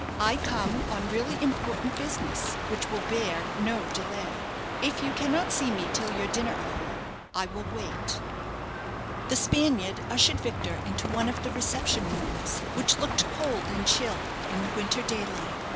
I come on really important business, which will bear no delay. If you cannot see me till your dinner hour, I will wait._" The Spaniard ushered Victor into one of the reception rooms, which looked cold and chill in the winter daylight.